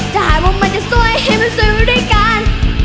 ถ้าหายมันมันจะซวยให้มันซื้อด้วยกัน